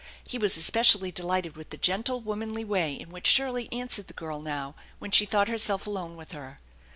He was especially delighted with the gentle, womanly way in which Shirley answered the girl now when she thought herself alone with her.